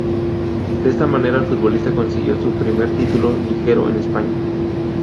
De esta manera, el futbolista consiguió su primer título liguero en España.